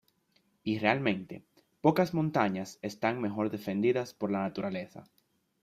Y realmente, pocas montañas están mejor defendidas por la naturaleza.